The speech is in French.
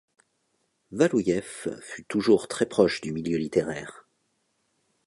Valoueïv fut toujours très proche du milieu littéraire.